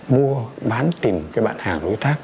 mua bán tìm cái bạn hàng đối tác